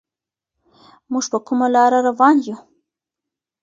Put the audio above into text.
موږ په کومه لاره روان يو؟